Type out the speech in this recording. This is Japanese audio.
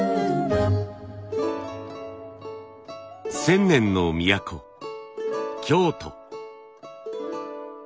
千年の都京都。